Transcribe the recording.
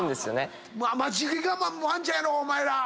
お前ら。